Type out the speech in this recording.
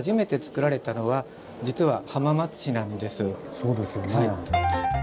そうですよね。